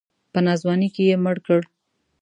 په ناځواني کې یې مړ کړ.